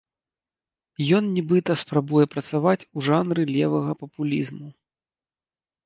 Ён, нібыта, спрабуе працаваць у жанры левага папулізму.